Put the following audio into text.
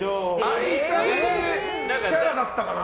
愛されキャラだったかな？